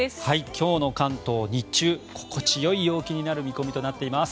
今日の関東日中、心地よい陽気になる見込みとなっています。